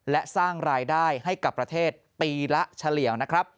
และสร้างรายได้ให้กับประเทศปีละเฉลี่ยวนะครับ